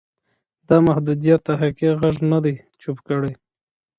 دا محدودیت د هغې غږ نه دی چوپ کړی.